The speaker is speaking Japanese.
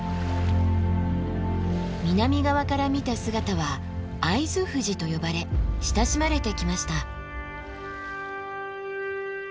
南側から見た姿は会津富士と呼ばれ親しまれてきました。